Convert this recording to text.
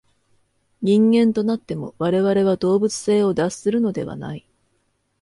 人間となっても、我々は動物性を脱するのではない。